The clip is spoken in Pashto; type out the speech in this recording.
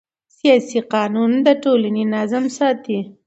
سیاسي قانون د ټولنې نظم ساتي